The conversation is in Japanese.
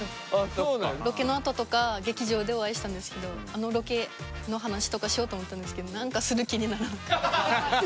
ロケのあととか劇場でお会いしたんですけどロケの話とかしようと思ったんですけどなんかする気になれなくて。